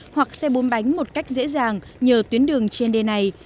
hoặc xe bún bánh một cách dễ dàng nhờ tuyến đường trên đề này